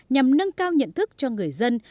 nhằm nâng cao nhận thức cho người dân